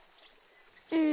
うん。